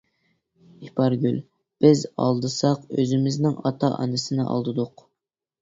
ئىپارگۈل: بىز ئالدىساق ئۆزىمىزنىڭ ئاتا-ئانىسىنى ئالدىدۇق.